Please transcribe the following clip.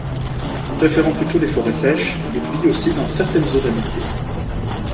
Préférant plutôt les forêts sèches, il vit aussi dans certaines zones habitées.